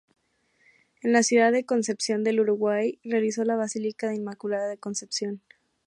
En la ciudad de Concepción del Uruguay realizó la Basílica de la Inmaculada Concepción.